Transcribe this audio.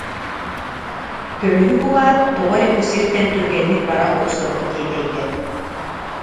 Кө- мүһү булаат, тоҕо эрэ бу сиртэн түргэнник бара охсорго тиэтэйдэ